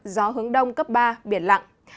gió hướng đông cấp ba biển lặng